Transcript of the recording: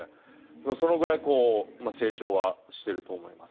そのぐらいこう成長はしてると思います。